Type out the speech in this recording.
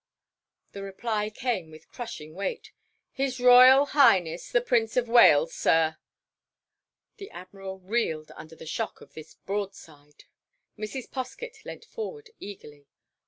The reply came with crushing weight. "His Royal Highness the Prince of Wales, sir!" The Admiral reeled under the shock of this broadside. Mrs. Poskett leant forward eagerly.